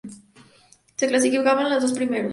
Se clasificaban los dos primeros.